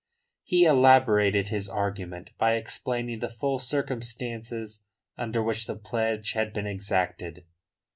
He elaborated his argument by explaining the full circumstances under which the pledge had been exacted.